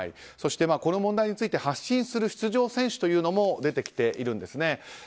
そして、この問題について発信する出場選手も出てきているんですね。